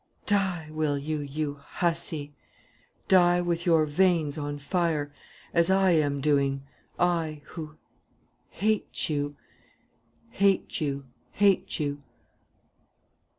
Die, will you, you hussy! Die with your veins on fire as I am doing, I who hate you hate you hate you!"